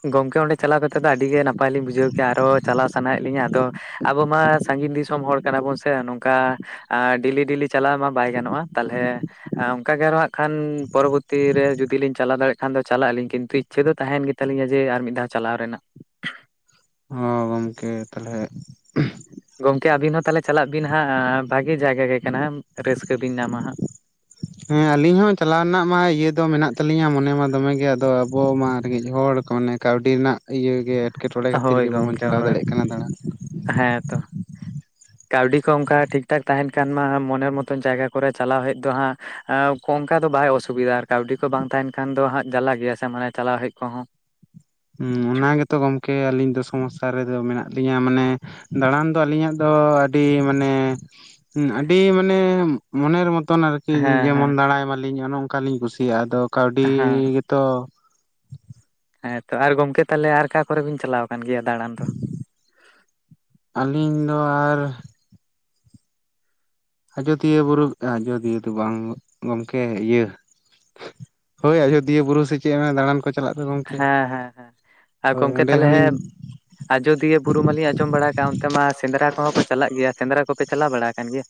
ᱜᱚᱝᱠᱮ ᱚᱸᱰᱮ ᱪᱟᱞᱟᱣ ᱠᱟᱛᱮᱫ ᱫᱚ ᱟᱹᱰᱤ ᱜᱮ ᱱᱟᱯᱟᱭ ᱞᱤᱧ ᱵᱩᱡᱷᱟᱹᱣ ᱠᱮᱫ-ᱟ ᱟᱨᱚ ᱪᱟᱞᱟᱣ ᱥᱟᱱᱟᱭᱮᱫ ᱞᱤᱧᱟ ᱟᱫᱚ ᱟᱵᱚ ᱢᱟ ᱥᱟᱺᱜᱤᱧ ᱫᱤᱥᱚᱢ ᱦᱚᱲ᱾ ᱠᱟᱱᱟ ᱵᱚᱱ ᱥᱮ ᱱᱚᱝᱠᱟ ᱰᱮᱞᱤ ᱰᱮᱞᱤ ᱪᱟᱞᱟᱣ ᱢᱟ ᱵᱟᱭ ᱜᱟᱱᱚᱜᱼᱟ ᱛᱟᱦᱚᱞᱮ ᱚᱱᱠᱟ ᱜᱮ ᱟᱨᱚ ᱦᱟᱜ ᱠᱷᱟᱱ ᱯᱚᱨᱚᱵᱚᱨᱛᱤ ᱨᱮ ᱡᱩᱫᱤ ᱞᱤᱧ ᱪᱟᱞᱟᱣ ᱫᱟᱲᱭᱟᱜ ᱠᱷᱟᱱ ᱫᱚ ᱪᱟᱞᱟᱜ ᱟᱞᱤᱧ ᱠᱤᱱᱛᱩ ᱤᱪᱷᱟᱹ ᱫᱚ ᱛᱟᱦᱮᱸᱭᱮᱱ ᱜᱮ ᱛᱟᱹᱞᱤᱧᱟ ᱡᱮ ᱟᱨ ᱢᱤᱫ ᱫᱷᱟᱣ ᱪᱟᱞᱟᱣ ᱨᱮᱱᱟᱜ᱾ ᱦᱳ ᱜᱚᱢᱠᱮ ᱛᱟᱞᱦᱮ ᱜᱚᱝᱠᱮ ᱟᱵᱤᱱ ᱦᱚᱸ ᱛᱟᱞᱦᱮ ᱪᱟᱞᱟᱜ ᱵᱤᱱ ᱦᱟᱸᱜ ᱟ ᱵᱷᱟᱜᱮ ᱡᱟᱭᱜᱟ ᱜᱮ ᱠᱟᱱᱟ ᱦᱟᱸᱜ, ᱨᱟᱹᱥᱠᱟᱹ ᱵᱤᱱ ᱧᱟᱢᱟ ᱦᱟᱸᱜ᱾ ᱦᱮᱸ ᱟᱞᱤᱧ ᱦᱚᱸ ᱪᱟᱞᱟᱜ ᱨᱮᱱᱟᱜ ᱢᱟ ᱤᱭᱟᱹ ᱫᱚ ᱢᱮᱱᱟᱜ ᱛᱟᱹᱟᱞᱤᱧᱟᱹ ᱢᱚᱱᱮ ᱢᱟ ᱫᱚᱢᱮ ᱜᱮ ᱟᱫᱚ ᱟᱵᱚ ᱢᱟ ᱨᱮᱸᱜᱮᱡ ᱦᱚᱲ ᱠᱚ ᱢᱟᱱᱮ ᱠᱟᱹᱣᱰᱤ ᱨᱮᱱᱟᱜ ᱤᱭᱟᱹ ᱜᱮ ᱮᱴᱠᱮᱴᱚᱬᱮ ᱦᱟᱸᱜ ᱠᱷᱟᱹᱛᱤᱨ ᱦᱳᱭ ᱜᱮ ᱵᱟᱵᱚᱱ ᱜᱚᱝᱠᱮ ᱪᱟᱞᱟᱣ ᱦᱳᱭ ᱫᱟᱲᱮᱭᱟᱜ ᱠᱟᱱᱟ ᱫᱟᱬᱟᱱ᱾ ᱦᱮᱸ ᱛᱚ᱾ [inaudible] ᱠᱟᱹᱣᱰᱤ ᱠᱚ ᱚᱝᱠᱟ ᱴᱷᱤᱠ ᱴᱷᱟᱠ ᱛᱟᱦᱮᱱ ᱠᱷᱟᱱ ᱢᱟ ᱢᱚᱱᱮᱨ ᱢᱚᱛᱚᱱ ᱡᱟᱭᱜᱟ ᱠᱚᱨᱮ ᱪᱟᱞᱟᱣ ᱦᱮᱡ ᱫᱚ ᱦᱟᱸᱜ ᱮᱸ ᱚᱝᱠᱟ ᱫᱚ ᱵᱟᱭ ᱚᱥᱩᱵᱤᱫᱟ ᱟᱨ ᱠᱟᱹᱣᱰᱤ ᱠᱚ ᱵᱟᱝ ᱛᱟᱦᱮᱱ ᱠᱷᱟᱱ ᱫᱚ ᱦᱟᱸᱜ ᱡᱟᱞᱟ ᱜᱮᱭᱟ ᱥᱮ ᱢᱟᱱᱮ ᱪᱟᱞᱟᱣ ᱦᱮᱡ ᱠᱚᱦᱚᱸ᱾ ᱦᱩᱸ᱾ ᱚᱱᱟ ᱜᱮᱛᱚ ᱜᱚᱝᱠᱮ ᱟᱹᱞᱤᱧ ᱫᱚ ᱥᱚᱢᱚᱥᱥᱟ ᱨᱮᱫᱚ ᱢᱮᱱᱟᱜ ᱞᱤᱧᱟᱹ ᱢᱟᱱᱮ ᱫᱟᱬᱟᱱ ᱫᱚ ᱟᱹᱞᱤᱧᱟᱜ ᱫᱚ ᱟᱹᱰᱤ ᱢᱟᱱᱮ ᱟᱹᱰᱤ ᱢᱟᱱᱮ ᱢᱚᱱᱮᱨ ᱢᱚᱛ ᱛᱚᱱ ᱟᱨᱠᱤ ᱦᱮᱸ ᱦᱮᱸ ᱡᱮᱢᱚᱱ ᱫᱟᱬᱟᱸᱭ ᱢᱟᱞᱤᱧ ᱚᱱᱮ ᱚᱱᱠᱟ ᱞᱤᱧ ᱠᱩᱥᱤᱭᱟᱜᱼᱟ᱾ ᱟᱫᱚ ᱠᱟᱹᱣᱰᱤ ᱦᱮᱸ ᱜᱜᱮᱛᱚ ᱦᱮᱸ ᱛᱚ ᱟᱨ ᱜᱚᱝᱠᱮ ᱛᱟᱞᱦᱮ ᱟᱨ ᱟᱠᱟ ᱠᱚᱨᱮ ᱵᱤᱱ ᱪᱟᱞᱟᱣ ᱠᱟᱱ ᱜᱮᱭᱟ ᱫᱟᱬᱟᱱ ᱫᱚ? ᱟᱹᱞᱤᱧ ᱫᱚ ᱟᱨ ᱟᱡᱚᱫᱤᱭᱟᱹ ᱵᱩᱨᱩ ᱟᱡᱚᱫᱤᱭᱟᱹ ᱫᱚ ᱵᱟᱝ ᱜᱚᱢᱠᱮ ᱤᱭᱟᱹ ᱦᱳᱭ ᱟᱡᱳᱫᱤᱭᱟᱹ ᱵᱩᱨᱩ ᱥᱮ ᱪᱮᱜ ᱚᱱᱮ ᱫᱟᱬᱟᱱ ᱠᱚ ᱪᱟᱞᱟᱜ ᱫᱚ ᱜᱚᱢᱠᱮ᱾ ᱦᱮᱸ ᱦᱮᱸ ᱦᱮᱸ ᱟᱨ ᱦᱳᱭ ᱜᱚᱝᱠᱮ ᱚᱸᱰᱮ ᱛᱟᱞᱦᱮ ᱦᱚᱸᱞᱤᱧ ᱟᱡᱚᱫᱤᱭᱟᱹ ᱵᱩᱨᱩ ᱢᱟᱞᱤᱧ ᱟᱸᱡᱚᱢ ᱵᱟᱲᱟ ᱟᱠᱟᱫ ᱚᱱ ᱛᱮᱢᱟ ᱥᱮᱸᱫᱽᱨᱟ ᱠᱚᱦᱚᱸ ᱠᱚ ᱪᱟᱞᱟᱜ ᱜᱮᱭᱟ᱾ ᱥᱮᱸᱫᱽᱨᱟ ᱠᱚᱯᱮ ᱪᱟᱞᱟᱣ ᱵᱟᱲᱟ ᱟᱠᱟᱱ ᱜᱮᱭᱟ?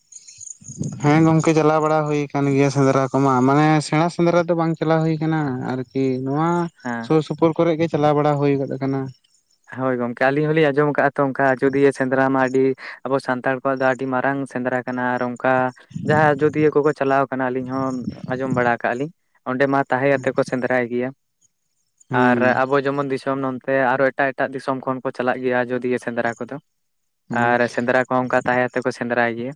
ᱦᱮᱸ ᱜᱚᱝᱠᱮ ᱪᱟᱞᱟᱣ ᱵᱟᱲᱟ ᱦᱩᱭ ᱠᱟᱱ ᱜᱤᱭᱟ ᱥᱮᱸᱫᱽᱨᱟ ᱠᱚᱢᱟ᱾ ᱢᱟᱱᱮ ᱥᱮᱸᱬᱟ ᱥᱮᱸᱫᱽᱨᱟ ᱫᱚ ᱵᱟᱝ ᱪᱟᱞᱟᱣ ᱦᱩᱭ ᱠᱟᱱᱟ ᱟᱨ ᱠᱤ ᱱᱚᱣᱟ ᱦᱮᱸ᱾ ᱥᱳᱨ-ᱥᱳᱯᱳᱨ ᱠᱚᱨᱮᱜ ᱜᱮ ᱪᱟᱞᱟᱣ ᱵᱟᱲᱟ ᱦᱳᱭ ᱜᱚᱫ ᱠᱟᱱᱟ᱾ ᱦᱳᱭ ᱜᱚᱝᱠᱮ ᱟᱹᱞᱤᱧ ᱦᱚᱞᱤᱧ ᱟᱸᱡᱚᱢ ᱟᱠᱟᱜᱼᱟ ᱛᱚ ᱚᱱᱠᱟ ᱟᱡᱚᱫᱤᱭᱟᱹ ᱥᱮᱸᱫᱽᱨᱟ ᱢᱟ ᱟᱹᱰᱤ ᱟᱵᱚ ᱥᱟᱱᱛᱟᱲ ᱠᱚᱣᱟᱜ ᱫᱚ ᱟᱹᱰᱤ ᱢᱟᱨᱟᱝ ᱥᱮᱸᱫᱽᱨᱟ ᱠᱟᱱᱟ ᱟᱨ ᱚᱝᱠᱟ ᱡᱟᱦᱟᱸ ᱟᱡᱽᱫᱤᱭᱟᱹ ᱠᱚᱠᱚ ᱪᱟᱞᱟᱣ ᱠᱟᱱᱟ, ᱟᱹᱞᱤᱧ ᱦᱚᱸ ᱟᱸᱡᱚᱢ ᱵᱟᱲᱟ ᱠᱟᱜ ᱞᱤᱧ᱾ ᱚᱸᱰᱮ ᱢᱟ ᱛᱟᱦᱮᱸ ᱟᱛᱮᱜ ᱠᱚ ᱥᱮᱸᱫᱽᱨᱟᱭ ᱜᱮᱭᱟ ᱟᱨ ᱦᱩᱸ ᱟᱵᱚ ᱡᱮᱢᱚᱱ ᱫᱤᱥᱚᱢ ᱱᱚᱱᱛᱮ ᱟᱨᱚ ᱮᱴᱟᱜ ᱮᱴᱟᱜ ᱫᱤᱥᱚᱢ ᱠᱷᱚᱱ ᱠᱚ ᱪᱟᱞᱟᱜ ᱜᱤᱭᱟ, ᱟᱡᱽᱫᱤᱭᱟᱹ ᱥᱮᱸᱫᱽᱨᱟ ᱠᱚᱫᱚ ᱦᱩᱸ ᱟᱨ ᱥᱮᱸᱫᱽᱨᱟ ᱠᱚᱦᱚᱸ ᱚᱱᱠᱟ ᱛᱟᱦᱮᱸ ᱛᱮ ᱠᱚ ᱥᱮᱸᱫᱽᱨᱟᱭ ᱜᱮᱭᱟ᱾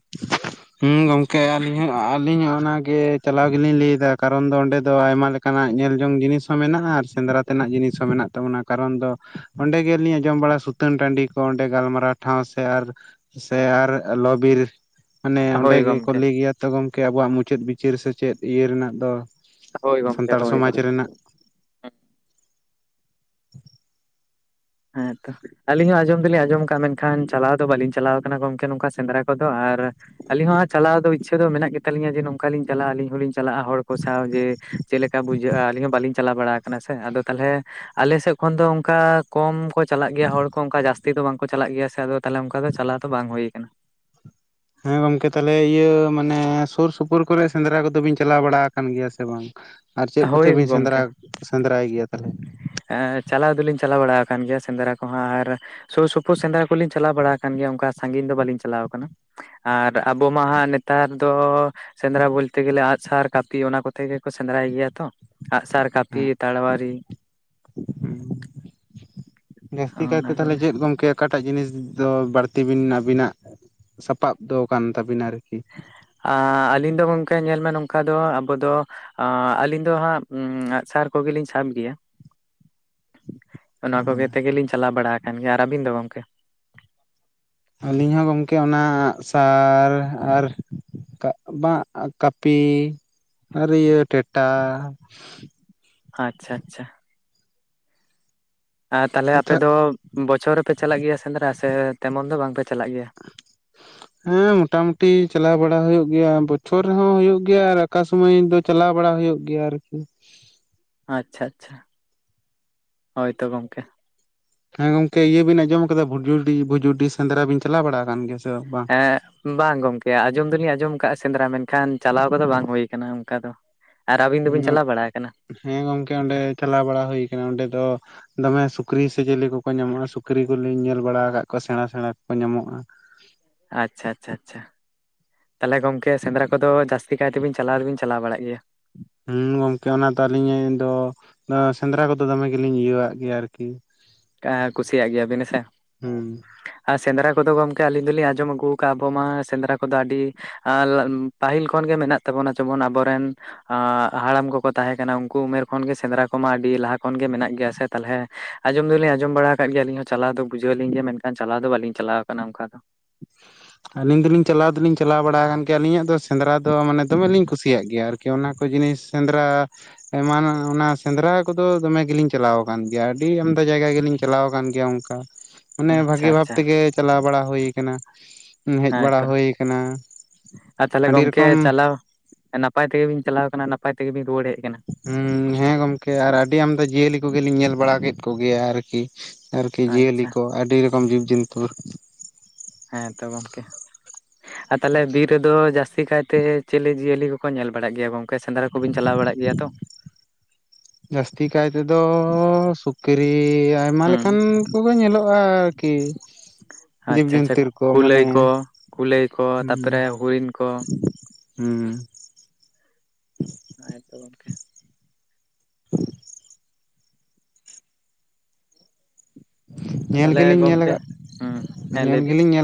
ᱦᱩᱸ ᱜᱚᱝᱠᱮ ᱟᱹᱞᱤᱧ ᱦᱚᱸ ᱟᱹᱞᱤᱧ ᱦᱚᱸ ᱚᱱᱟ ᱜᱮ ᱪᱟᱞᱟᱣ ᱜᱮᱞᱤᱧ ᱞᱟᱹᱭ ᱮᱫᱟ᱾ ᱠᱟᱨ ᱠᱟᱨᱚᱱ ᱚᱸᱰᱮ ᱫᱚ ᱟᱭᱢᱟ ᱞᱮᱠᱟᱱᱟᱜ ᱧᱮᱞ ᱡᱚᱝ ᱡᱤᱱᱤᱥ ᱦᱚᱸ ᱢᱮᱱᱟᱜᱼᱟ, ᱟᱨ ᱥᱮᱸᱫᱽᱨᱟ ᱛᱮᱱᱟᱜ ᱡᱤᱱᱤᱥ ᱦᱚᱸ ᱢᱮᱱᱟᱜ ᱛᱟᱵᱚᱱᱟ ᱠᱟᱨᱚᱱ ᱫᱚ ᱚᱸᱰᱮ ᱜᱮᱞᱤᱧ ᱟᱸᱡᱚᱢ ᱵᱟᱲᱟ ᱥᱩᱛᱟᱹᱱ ᱴᱟᱺᱰᱤ ᱠᱚ᱾ ᱚᱸᱰᱮ ᱜᱟᱞᱢᱟᱨᱟᱣ ᱴᱷᱟᱶ ᱥᱮ ᱟᱨ ᱥᱮ ᱟᱨ ᱞᱚ-ᱵᱤᱨ ᱢᱟᱱᱮ ᱚᱸᱰᱮ ᱦᱳᱭ ᱜᱮᱠᱚ ᱜᱚᱢᱠᱮ ᱞᱮᱭ ᱜᱮᱭᱟ ᱛᱚ, ᱜᱚᱝᱠᱮ ᱟᱵᱚᱣᱟᱜ ᱢᱩᱪᱟᱹᱫ ᱵᱤᱪᱟᱹᱨ ᱥᱮ ᱪᱮᱫ ᱤᱭᱟᱹ ᱨᱮᱱᱟᱜ ᱫᱚ ᱦᱳᱭ ᱜᱚᱢᱠᱮ ᱥᱟᱱᱛᱟᱲ ᱦᱳᱭ ᱥᱚᱢᱟᱡᱽ ᱦᱳᱭ ᱨᱮᱱᱟᱜ᱾ ᱦᱮᱸ ᱛᱚ᱾ ᱟᱹᱞᱤᱧ ᱦᱚᱸ ᱟᱸᱡᱚᱢ ᱫᱚᱞᱤᱧ ᱟᱸᱡᱚᱢ ᱠᱟᱜᱼᱟ, ᱢᱮᱱᱠᱷᱟᱱ ᱪᱟᱞᱟᱣ ᱫᱚ ᱵᱟᱹᱞᱤᱧ ᱪᱟᱞᱟᱣ ᱠᱟᱱᱟ ᱜᱚᱝᱠᱮ ᱱᱚᱝᱠᱟ ᱥᱮᱸᱫᱽᱨᱟ ᱠᱚᱫᱚ ᱟᱨ ᱟᱹᱞᱤᱧ ᱦᱚᱸ ᱦᱟᱸᱜ ᱪᱟᱞᱟᱣ ᱤᱪᱪᱷᱟᱹ ᱫᱚ ᱢᱮᱱᱟᱜ ᱜᱮ ᱛᱟᱹᱞᱤᱧᱟ ᱡᱮ ᱱᱚᱝᱠᱟᱞᱤᱧ ᱪᱟᱞᱟᱜᱼᱟ ᱟᱹᱞᱤᱧ ᱦᱚᱸᱞᱤᱧ ᱪᱟᱞᱟᱜᱼᱟ᱾ ᱦᱚᱲ ᱠᱚ ᱥᱟᱶ ᱡᱮ ᱪᱮᱜ ᱞᱮᱠᱟ ᱵᱩᱡᱟᱹᱜᱼᱟ ᱟᱹᱞᱤᱧ ᱦᱚᱸ ᱵᱟᱞᱤᱧ ᱪᱟᱞᱟᱣ ᱵᱟᱲᱟ ᱠᱟᱱᱟ ᱥᱮ ᱟᱫᱚ ᱛᱟᱦᱚᱞᱮ ᱟᱞᱮ ᱥᱮᱜ ᱠᱷᱚᱱ ᱫᱚ ᱚᱝᱠᱟ ᱠᱚᱢ ᱠᱚ ᱪᱟᱞᱟᱜ ᱜᱮᱭᱟ ᱦᱚᱲ ᱠᱚ ᱚᱝᱠᱟ ᱡᱟᱹᱥᱛᱤ ᱫᱚ ᱵᱟᱝ ᱠᱚ ᱪᱟᱞᱟᱜ ᱜᱮᱭᱟ ᱥᱮ ᱟᱫᱚ ᱛᱟᱦᱞᱮ ᱚᱝᱠᱟ ᱫᱚ ᱪᱟᱞᱟᱣ ᱫᱚ ᱵᱟᱝ ᱦᱳᱭ ᱠᱟᱱᱟ᱾ ᱦᱮᱸ ᱜᱚᱝᱠᱮ ᱛᱟᱦᱚᱞᱮ ᱤᱭᱟᱹ ᱢᱟᱱᱮ ᱥᱩᱨ-ᱥᱩᱯᱳᱨ ᱠᱚᱨᱮ ᱥᱮᱸᱫᱽᱨᱟ ᱠᱚᱫᱚ ᱵᱤᱱ ᱪᱟᱞᱟᱣ ᱵᱟᱲᱟ ᱠᱟᱱ ᱜᱤᱭᱟ ᱥᱮ ᱵᱟᱝ? ᱟᱨ ᱪᱮᱫ ᱠᱚᱛᱮ ᱦᱳᱭ ᱵᱤᱱ ᱥᱮᱸᱫᱽᱨᱟ ᱜᱚᱢᱠᱮ ᱥᱮᱸᱫᱽᱨᱟᱭ ᱜᱤᱭᱟ ᱛᱟᱦᱚᱞᱮ? ᱮᱸ ᱪᱟᱞᱟᱣ ᱫᱚᱞᱤᱧ ᱪᱟᱞᱟᱣ ᱵᱟᱲᱟ ᱠᱟᱱ ᱜᱮᱭᱟ ᱥᱮᱸᱫᱽᱨᱟ ᱠᱚᱦᱚᱸ ᱟᱨ ᱥᱳᱨ ᱥᱳᱯᱳᱨ ᱥᱮᱸᱫᱽᱨᱟ ᱠᱚᱞᱤᱧ ᱪᱟᱞᱟᱣ ᱵᱟᱲᱟ ᱠᱟᱱ ᱜᱮᱭᱟ ᱚᱱᱠᱟ ᱥᱟᱺᱜᱤᱧ ᱫᱚ ᱵᱟᱹᱞᱤᱧ ᱪᱟᱞᱟᱣ ᱠᱟᱱᱟ᱾ ᱟᱨ ᱟᱵᱚ ᱢᱟ ᱦᱟᱸᱜ ᱱᱮᱛᱟᱨ ᱫᱚ ᱥᱮᱸᱫᱽᱨᱟ ᱵᱳᱞ ᱛᱮ ᱜᱮᱞᱮ ᱟᱸᱜ-ᱥᱟᱨ, ᱠᱟᱹᱯᱤ ᱚᱱᱟ ᱠᱚᱛᱮ ᱜᱮ ᱠᱚ ᱥᱮᱸᱫᱽᱨᱟᱭ ᱜᱮᱭᱟ ᱛᱚ᱾ ᱟᱸᱜ- ᱥᱟᱨ, ᱠᱟᱹᱯᱤ, ᱛᱟᱲᱣᱟᱨᱤ ᱦᱩᱸ, ᱡᱟᱹᱥᱛᱤ ᱚᱱᱟ ᱠᱟᱭᱛᱮ ᱛᱟᱦᱞᱮ ᱠᱚᱜᱮ ᱪᱮᱫ ᱜᱚᱝᱠᱮ ᱠᱟᱴᱟᱜ ᱡᱤᱱᱤᱥ ᱫᱚ ᱵᱟᱲᱛᱤ ᱵᱤᱱ ᱟᱵᱤᱱᱟᱜ ᱥᱟᱯᱟᱵ ᱫᱚ ᱠᱟᱱ ᱛᱟᱹᱵᱤᱱᱟ ᱟᱨᱠᱤ? ᱟᱸ ᱟᱹᱞᱤᱧ ᱫᱚ ᱜᱚᱝᱠᱮ ᱧᱮᱞ ᱢᱮ ᱱᱚᱝᱠᱟ ᱫᱚ ᱟᱵᱚ ᱫᱚ ᱟᱸ ᱟᱹᱞᱤᱧ ᱫᱚ ᱦᱟᱸᱜ ᱟᱸᱜ ᱥᱟᱨ ᱠᱚᱜᱮᱞᱤᱧ ᱥᱟᱵ ᱜᱤᱭᱟ᱾ ᱚᱱᱟ ᱠᱚᱜᱮ ᱛᱮᱜᱮᱞᱤᱧ ᱪᱟᱞᱟᱣ ᱵᱟᱲᱟ ᱠᱟᱱ ᱜᱮᱭᱟ ᱟᱨ ᱟᱹᱵᱤᱱ ᱫᱚ ᱜᱚᱝᱠᱮ ᱟᱹᱞᱤᱧ ᱦᱚᱸ ᱜᱚᱢᱠᱮ ᱚᱱᱟ ᱟᱸᱜ ᱥᱟᱨ ᱟᱨ ᱵᱟᱝ ᱠᱟᱹᱯᱤ ᱟᱨ ᱤᱭᱟᱹ ᱴᱮᱴᱟ, ᱟᱪᱪᱷᱟ, ᱟᱪᱪᱷᱟ᱾ ᱟᱨ ᱛᱟᱦᱚᱞᱮ ᱟᱯᱮ ᱟᱪᱪᱷᱟ ᱫᱚ ᱵᱚᱪᱷᱚᱨ ᱨᱮᱯᱮ ᱪᱟᱞᱟᱜ ᱜᱮᱭᱟ ᱥᱮᱸᱫᱽᱨᱟ ᱥᱮ ᱛᱮᱢᱚᱱ ᱫᱚ ᱵᱟᱝ ᱯᱮ ᱪᱟᱞᱟᱜ ᱜᱮᱭᱟ? ᱦᱮᱸ ᱢᱚᱴᱟ ᱢᱩᱴᱤ ᱪᱟᱞᱟᱣ ᱵᱟᱲᱟᱶ ᱦᱩᱭᱩᱜ ᱜᱮᱭᱟ᱾ ᱵᱚᱪᱷᱚᱨ ᱨᱮᱦᱚᱸ ᱦᱩᱭᱩᱜ ᱜᱮᱭᱟ ᱟᱨ ᱚᱠᱟ ᱥᱚᱢᱟᱭ ᱫᱚ ᱪᱟᱞᱟᱣ ᱵᱟᱲᱟ ᱦᱩᱭᱩᱜ ᱜᱮᱭᱟ ᱟᱨᱠᱤ ᱾ ᱟᱪᱪᱷᱟ ᱟᱪᱪᱷᱟ, ᱦᱳᱭ ᱛᱚ ᱜᱚᱝᱠᱮ ᱾ ᱦᱮᱸ ᱜᱚᱝᱠᱮ ᱤᱭᱟᱹ ᱵᱤᱱ ᱟᱸᱡᱚᱢ ᱠᱟᱫᱟ, ᱵᱷᱩᱡᱩᱰᱤ, ᱵᱷᱩᱡᱩᱰᱤ ᱥᱮᱸᱫᱽᱨᱟ ᱵᱤᱱ ᱪᱟᱞᱟᱣ ᱵᱟᱲᱟ ᱟᱠ ᱠᱟᱱ ᱜᱮᱭᱟ? ᱥᱮ ᱵᱟᱝ? ᱦᱮᱸ ᱵᱟᱝ ᱜᱚᱢᱠᱮ᱾ ᱟᱸᱡᱚᱢ ᱫᱚᱞᱤᱧ ᱟᱸᱡᱚᱢ ᱟᱠᱟᱫᱼᱟ ᱥᱮᱸᱫᱽᱨᱟ, ᱢᱮᱱᱠᱷᱟᱱ ᱪᱟᱞᱟᱣ ᱠᱚᱫᱚ ᱵᱟᱝ ᱦᱩᱭ ᱠᱟᱱᱟ, ᱚᱱᱠᱟ ᱫᱚ ᱾ ᱟᱨ ᱟᱹᱵᱤᱱ ᱫᱚᱵᱤᱱ ᱪᱟᱞᱟᱣ ᱵᱟᱲᱟ ᱟᱠᱟᱱᱟ? ᱦᱮᱸ ᱜᱚᱝᱠᱮ ᱚᱸᱰᱮ ᱪᱟᱞᱟᱣ ᱵᱟᱲᱟ ᱦᱩᱭ ᱟᱠᱟᱱᱟ, ᱚᱸᱰᱮ ᱫᱚ ᱫᱚᱢᱮ ᱥᱩᱠᱨᱤ ᱥᱮ ᱪᱤᱞᱤ ᱠᱚᱠᱚ ᱧᱟᱢᱚᱜᱼᱟ, ᱥᱩᱠᱨᱤ ᱠᱚᱞᱤᱧ ᱧᱮᱞ ᱵᱟᱲᱟ ᱟᱠᱟᱫ ᱠᱚᱣᱟ ᱥᱮᱬᱟ ᱥᱮᱬᱟ ᱠᱚᱠᱚ ᱧᱟᱢᱚᱜᱼᱟ ᱾ ᱟᱪᱪᱷᱟ, ᱟᱪᱪᱷᱟ, ᱟᱪᱪᱷᱟ᱾ ᱛᱟᱦᱞᱮ ᱜᱚᱝᱠᱮ ᱥᱮᱸᱫᱽᱨᱟ ᱠᱚᱫᱚ ᱡᱟᱹᱥᱛᱤ ᱠᱟᱭᱛᱮ ᱵᱮ ᱪᱟᱞᱟᱣ ᱫᱚᱵᱤᱱ ᱪᱟᱞᱟᱣ ᱵᱟᱲᱟᱜ ᱜᱮᱭᱟ ᱾ ᱦᱩᱸ ᱜᱚᱝᱠᱮ ᱚᱱᱟ ᱫᱚ ᱟᱹᱞᱤᱧ ᱫᱚ ᱥᱮᱸᱫᱽᱨᱟ ᱠᱚᱫᱚ ᱫᱚᱢᱮ ᱜᱮᱞᱤᱧ ᱤᱭᱟᱹᱣᱟᱜ ᱜᱮᱭᱟ ᱟᱨᱠᱤ ᱾ ᱠᱩᱥᱤᱭᱟᱜ ᱜᱮᱭᱟᱵᱤᱱ ᱦᱮᱸᱥᱮ ᱾ ᱦᱩᱸ ᱟᱸ ᱥᱮᱸᱫᱽᱨᱟ ᱠᱚᱫᱚ ᱜᱚᱢᱠᱮ ᱟᱹᱞᱤᱧ ᱫᱚᱞᱤᱧ ᱟᱸᱡᱚᱢ ᱟᱹᱜᱩ ᱟᱠᱟᱫ ᱟᱵᱚ ᱢᱟ ᱥᱮᱸᱫᱽᱨᱟ ᱠᱚᱫᱚ ᱟᱹᱰᱤ [inaudible] ᱯᱟᱹᱦᱤᱞ ᱠᱷᱚᱱᱜᱮ ᱢᱮᱱᱟᱜ ᱛᱟᱵᱚᱱᱟ, ᱡᱮᱢᱚᱱ ᱟᱵᱚᱨᱮᱱ ᱦᱟᱲᱟᱢ ᱠᱚᱠᱚ ᱛᱟᱦᱮᱸ ᱠᱟᱱᱟ ᱩᱱᱠᱩ ᱩᱢᱮᱨ ᱠᱷᱚᱱ ᱜᱮ ᱥᱮᱸᱫᱽᱨᱟ ᱠᱚᱢᱟ ᱟᱹᱰᱤ ᱞᱟᱦᱟ ᱠᱷᱚᱱ ᱜᱮ ᱢᱮᱱᱟᱜ ᱜᱮᱭᱟ ᱥᱮ ᱛᱟᱦᱚᱞᱮ ᱟᱸᱡᱚᱢ ᱫᱚᱞᱤᱧ ᱟᱸᱡᱚᱢ ᱵᱟᱲᱟ ᱠᱟᱜ ᱜᱮᱭᱟ ᱟᱞᱤᱧ ᱦᱚᱸ ᱪᱟᱞᱟᱣ ᱫᱚ ᱵᱩᱡᱷᱟᱹᱣᱞᱤᱧ ᱜᱮᱭᱟ, ᱢᱮᱱᱠᱷᱟᱱ ᱪᱟᱞᱟᱣ ᱫᱚ ᱵᱟᱞᱤᱧ ᱪᱟᱞᱟᱣ ᱟᱠᱟᱱᱟ ᱚᱱᱠᱟ ᱫᱚ ᱾ ᱟᱹᱞᱤᱧ ᱫᱚᱞᱤᱧ ᱪᱟᱞᱟᱣ ᱫᱚᱞᱤᱧ ᱪᱟᱞᱟᱣ ᱵᱟᱲᱟ ᱠᱟᱱ ᱜᱮᱭᱟ ᱟᱹᱞᱤᱧᱟᱜ ᱫᱚ ᱥᱮᱸᱫᱽᱨᱟ ᱫᱚ ᱢᱟᱱᱮ ᱫᱚᱢᱮ ᱞᱤᱧ ᱠᱩᱥᱤᱭᱟᱜ ᱜᱮᱭᱟ᱾ ᱟᱨ ᱠᱤ ᱚᱱᱟ ᱠᱚ ᱡᱤᱱᱤᱥ ᱥᱮᱸᱫᱽᱨᱟ ᱾ ᱮᱢᱟᱱ ᱚᱱᱟ ᱥᱮᱸᱫᱽᱨᱟ ᱠᱚᱫᱚ ᱫᱚᱢᱮ ᱜᱮᱞᱤᱧ ᱪᱟᱞᱟᱣ ᱟᱠᱟᱱ ᱜᱮᱭᱟ, ᱟᱹᱰᱤ ᱟᱢᱫᱟ ᱡᱟᱭᱜᱟ ᱜᱮᱞᱤᱧ ᱪᱟᱞᱟᱣ ᱟᱠᱟᱱ ᱜᱮᱭᱟ ᱚᱱᱠᱟ ᱢᱟᱱᱮ ᱟᱪᱪᱷᱟ ᱵᱷᱟᱹᱜᱤ ᱵᱷᱟᱵ ᱟᱪᱪᱷᱟ ᱛᱮᱜᱮ ᱪᱟᱞᱟᱣ ᱵᱟᱲᱟ ᱦᱩᱭ ᱠᱟᱱᱟ ᱾ ᱦᱮᱸᱛᱚ ᱟᱨ ᱛᱟᱦᱚᱞᱮ ᱟᱹᱰᱤ ᱜᱚᱝᱠᱮ ᱨᱚᱠᱚᱢ ᱪᱟᱞᱟᱣ ᱱᱟᱯᱟᱭ ᱛᱮᱜᱮ ᱵᱤᱱ ᱪᱟᱞᱟᱣ ᱠᱟᱱᱟ ᱱᱟᱯᱟᱭ ᱛᱮᱜᱮ ᱵᱤᱱ ᱨᱩᱭᱟᱹᱲ ᱦᱮᱡ ᱟᱠᱟᱱᱟ ᱦᱩᱸ ᱦᱮᱸ ᱜᱚᱝᱢᱠᱮ ᱟᱨ ᱟᱹᱰᱤ ᱟᱢᱫᱟ ᱡᱤᱭᱟᱹᱞᱤ ᱠᱚᱜᱮᱞᱤᱧ ᱧᱮᱞ ᱵᱟᱲᱟ ᱠᱮᱫ ᱠᱚᱜᱮᱭᱟ ᱟᱨᱠᱤ ᱾ ᱟᱨᱠᱤ ᱡᱤᱭᱟᱹᱞᱤ ᱟᱪᱪᱷᱟ ᱠᱚ ᱟᱹᱰᱤ ᱨᱚᱠᱚᱢ ᱡᱤᱵ ᱡᱚᱱᱛᱩ ᱾ ᱦᱮᱸ ᱛᱚ ᱜᱚᱢᱠᱮ, ᱟᱨ ᱛᱟᱦᱚᱞᱮ ᱵᱤᱨ ᱨᱮᱫᱚ ᱡᱟᱹᱥᱛᱤ ᱠᱟᱭᱛᱮ ᱪᱤᱞᱮ ᱡᱤᱭᱟᱹᱞᱤ ᱠᱚᱠᱚ ᱧᱮᱞ ᱵᱟᱲᱟᱜ ᱜᱮᱭᱟ ᱜᱚᱝ ᱠᱮ ᱥᱮᱸᱱᱫᱽᱨᱟ ᱠᱚᱵᱤᱱ ᱪᱟᱞᱟᱣ ᱵᱟᱲᱟᱜ ᱜᱮᱭᱟ ᱛᱚ? ᱡᱟᱹᱥᱛᱤ ᱠᱟᱭ ᱛᱮᱫᱚ ᱥᱩᱠᱨᱤ ᱟᱭᱢᱟ ᱞᱮᱠᱟ ᱦᱩᱸ ᱠᱟᱱ ᱠᱚᱜᱮ ᱧᱮᱞᱚᱜ-ᱟ ᱟᱨᱠᱤ ᱾ ᱟᱪᱪᱷᱟ ᱟᱪᱪᱷᱟ ᱡᱤᱵᱽᱡᱚᱱᱛᱩᱨ ᱠᱚ ᱢᱟᱱᱮ ᱠᱩᱞᱟᱹᱭ ᱠᱚ ᱠᱩᱞᱟᱹᱭ ᱠᱚ ᱦᱮᱸ ᱛᱟᱯᱚᱨᱮ ᱦᱚᱨᱤᱱ ᱠᱚ ᱦᱩᱸᱻ ᱚᱱᱟ ᱜᱮᱛᱚ ᱜᱚᱝᱠᱮ, ᱧᱮᱞ ᱛᱟᱦᱚᱞᱮ ᱜᱮᱞᱤᱧ ᱧᱮᱞ ᱜᱚᱝᱠᱮ ᱟᱠᱟᱫ ᱦᱩᱸ ᱦᱮᱸ ᱞᱟᱹᱭ ᱧᱮᱞ ᱵᱤᱱ ᱜᱮᱞᱤᱧ ᱧᱮᱞ